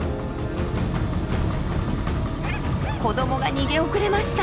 子どもが逃げ遅れました。